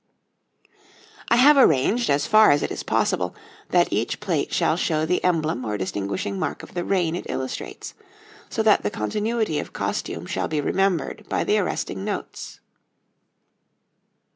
I have arranged, as far as it is possible, that each plate shall show the emblem or distinguishing mark of the reign it illustrates, so that the continuity of costume shall be remembered by the arresting notes.